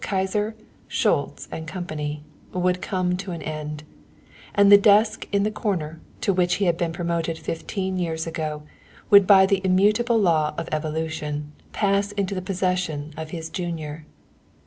Kyser, Schultz & Company would come to an end, and the desk in the corner to which he had been promoted fifteen years ago would by the immutable law of evolution pass into the possession of his junior.